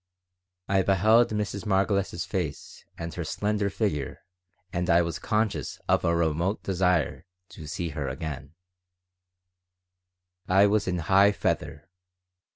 I beheld Mrs. Margolis's face and her slender figure and I was conscious of a remote desire to see her again I was in high feather.